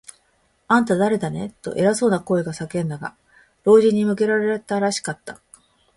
「あんた、だれだね？」と、偉そうな声が叫んだが、老人に向けられたらしかった。